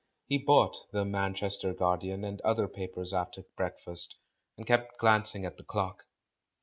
He bought The Manchester Guard ian, and other papers after breakfast — and kept glancing at the clock.